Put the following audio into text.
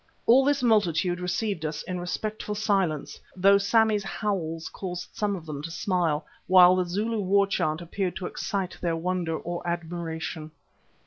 All this multitude received us in respectful silence, though Sammy's howls caused some of them to smile, while the Zulu war chant appeared to excite their wonder, or admiration.